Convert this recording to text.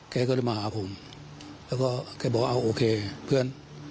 แกก็เลยมาหาผมแล้วก็แกบอกเอาโอเคเพื่อน